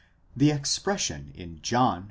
The expression in John v.